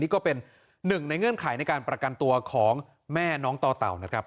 ก็เป็นหนึ่งในเงื่อนไขในการประกันตัวของแม่น้องต่อเต่านะครับ